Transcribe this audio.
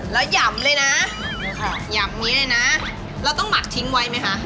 แล้วหย่ำเลยนะหย่ำนี้เลยนะเราต้องหมักทิ้งไว้ไหมคะ